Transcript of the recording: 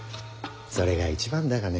それが一番だがね。